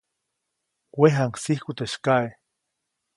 Wejaŋsiku teʼ sykaʼe.